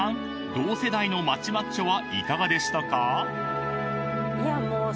同世代の街マッチョはいかがでしたか？］